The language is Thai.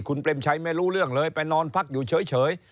คุณเปรมชัยไม่รู้เรื่องเลยไปนอนพักอยู่เฉย